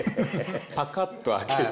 パカッと開けて。